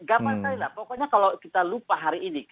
gak mengapa pokoknya kalau kita lupa hari ini